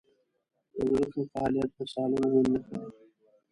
د زړه ښه فعالیت د سالم ژوند نښه ده.